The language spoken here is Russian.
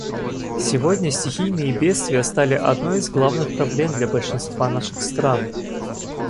Сегодня стихийные бедствия стали одной из главных проблем для большинства наших стран.